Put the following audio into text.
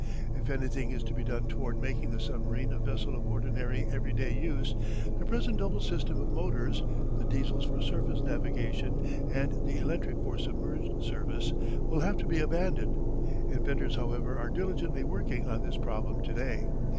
If anything is to be done toward making the submarine a vessel of ordinary everyday use the present double system of motors the Diesels for surface navigation and the electric for submerged service will have to be abandoned. Inventors however are diligently working on this problem to day.